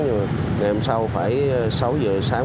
nhưng mà ngày hôm sau phải sáu h sáng